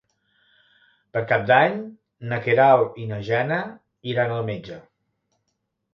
Per Cap d'Any na Queralt i na Jana iran al metge.